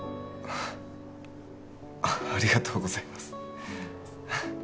ありがとうございます